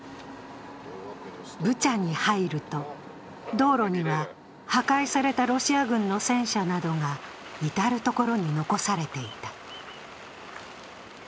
ブチャに入ると、道路には破壊されたロシア軍の戦車などが至る所に残されていた。